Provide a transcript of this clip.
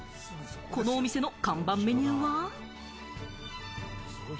このお店の看板メニューは。